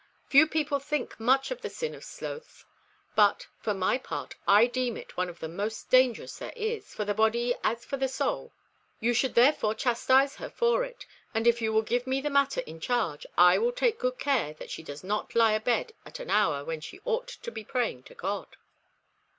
Few people think much of the sin of sloth, but for my part, I deem it one of the most dangerous there is, for the body as for the soul. You should therefore chastise her for it, and if you will give me the matter in charge, I will take good care that she does not lie abed at an hour when she ought to be praying to God."